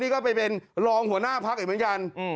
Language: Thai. นี่ก็ไปเป็นรองหัวหน้าพักอีกเหมือนกัน